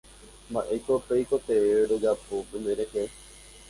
Mba'éiko peikotevẽ rojapo penderehe.